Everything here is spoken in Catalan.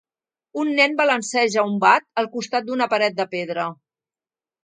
Un nen balanceja un bat al costat d'una paret de pedra.